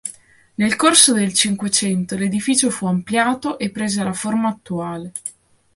Nel corso del Cinquecento l’edificio fu ampliato e prese la forma attuale.